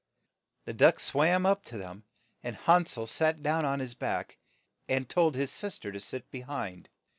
The duck swam up to them, and Han sel sat down on his back, and told his sis ter to sit be hind.